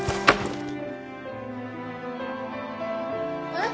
あれ？